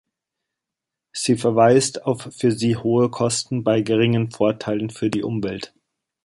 Sie verweist auf für sie hohe Kosten bei geringen Vorteilen für die Umwelt.